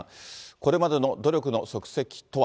これまでの努力の足跡とは。